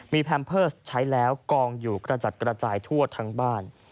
มีแพมเพิร์สใช้แล้วกองอยู่กระจัดกระจายทั่วทั้งบ้าน